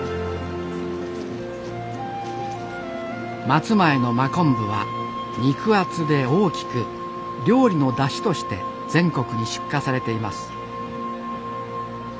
松前の真昆布は肉厚で大きく料理のだしとして全国に出荷されています。